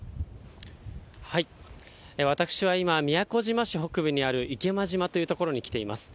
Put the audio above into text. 私は今、宮古島市北部にあるいけま島という所に来ています。